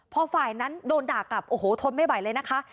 พอฝ่ายนั้นโดนด่ากลับโอ้โหทนไม่ไหวเลยนะคะ